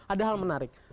ada hal menarik